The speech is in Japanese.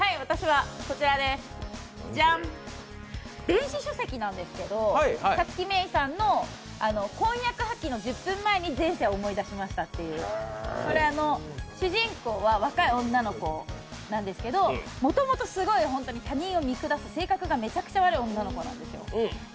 電子書籍なんですけど皐月めいさんの「婚約破棄の十分前に、前世を思い出しました」っていう、これは主人公は若い女の子なんですけど、もともとすごい他人を見下す、性格がめちゃくちゃ悪い女の子なんですよ。